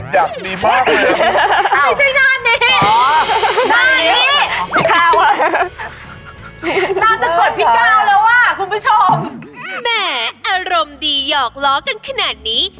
แหมอารมณ์ดีหยอกล้อกันขนาดนี้